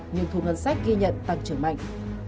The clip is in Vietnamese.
nhưng thu ngân sách ghi nhận tăng trưởng mạnh